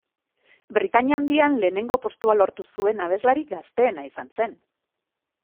Britainia Handian lehenengo postua lortu zuen abeslari gazteena izan zen.